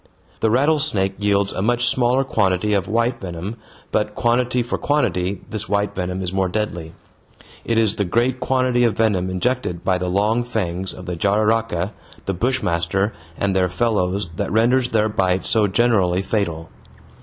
The rattlesnake yields a much smaller quantity of white venom, but, quantity for quantity, this white venom is more deadly. It is the great quantity of venom injected by the long fangs of the jararaca, the bushmaster, and their fellows that renders their bite so generally fatal.